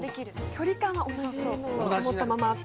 距離感は同じのを保ったまま。